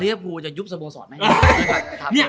เรียบรูจะยุบสโบสอดไหม